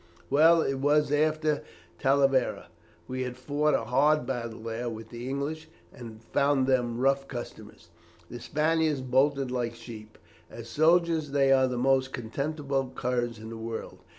"Well it was after Talavera. We had fought a hard battle there with the English, and found them rough customers. The Spaniards bolted like sheep. As soldiers, they are the most contemptible curs in the world.